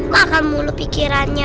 makan mulu pikirannya